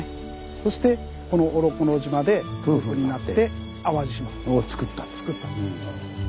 そしてこのおのころ島で夫婦になって淡路島。をつくった。